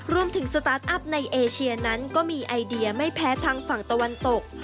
สตาร์ทอัพในเอเชียนั้นก็มีไอเดียไม่แพ้ทางฝั่งตะวันตก